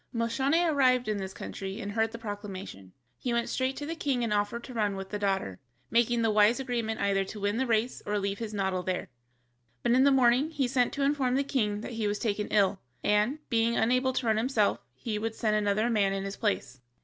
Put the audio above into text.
Moscione arrived in this country and heard the proclamation. He went straight to the king and offered to run with the daughter, making the wise agreement either to win the race or leave his noddle there. But in the morning he sent to inform the king that he was taken ill, and, being unable to run himself, he would send another man in his place.